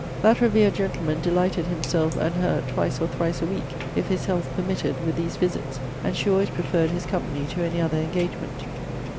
That reverend gentleman delighted himself and her twice or thrice a week, if his health permitted, with these visits: and she always preferred his company to any other engagement.